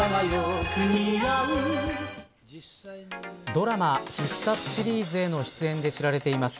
ドラマ必殺シリーズへの出演で知られています